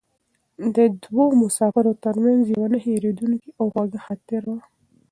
دا د دوو مسافرو تر منځ یوه نه هېرېدونکې او خوږه خاطره وه.